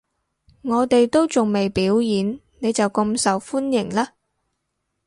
我哋都仲未表演，你就咁受歡迎喇